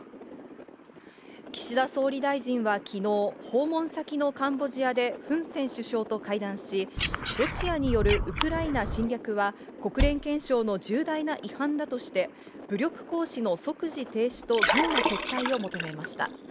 岸田総理大臣は昨日、訪問先のカンボジアでフン・セン首相と会談し、ロシアによるウクライナ侵略は国連憲章の重大な違反だとして、武力行使の即時停止と軍の撤退を求めました。